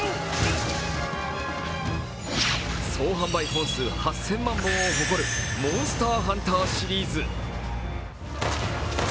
総販売本数８０００万本を誇る「モンスターハンター」シリーズ。